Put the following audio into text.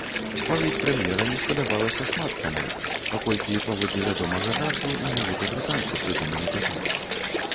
Споведзь прэм'ера не спадабалася шмат каму, паколькі, паводле вядомага жарту, менавіта брытанцы прыдумалі катоў.